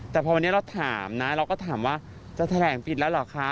แต่พอวันนี้เราถามนะเราก็ถามว่าจะแถลงปิดแล้วเหรอคะ